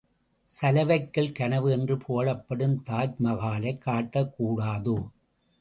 சலவைக்கல் கனவு என்று புகழப்படும் தாஜ்மகாலைக் காட்டக் கூடாதோ?